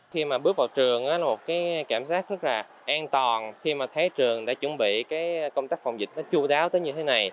khi mà bước vào trường là một cảm giác rất là an toàn khi mà thấy trường đã chuẩn bị công tác phòng dịch chú đáo tới như thế này